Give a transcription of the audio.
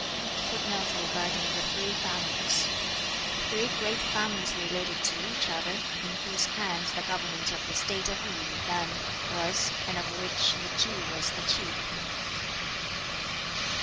] [Footnote 6: Three great families related to each other, in whose hands the government of the State of Lu then was, and of which the Ki was the chief.